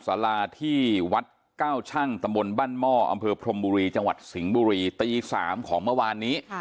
สาราที่วัดเก้าชั่งตำบลบ้านหม้ออำเภอพรมบุรีจังหวัดสิงห์บุรีตี๓ของเมื่อวานนี้